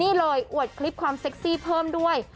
นี่เลยอวดคลิปความเซ็กซี่เพิ่มด้วย